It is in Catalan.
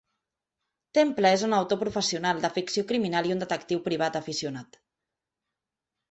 Temple és un autor professional de ficció criminal i un detectiu privat aficionat.